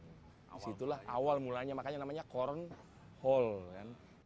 disitulah awal mulanya makanya namanya cornhole